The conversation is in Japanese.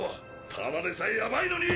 ただでさえヤバイのに！！